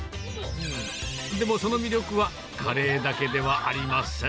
でもその魅力は、カレーだけではありません。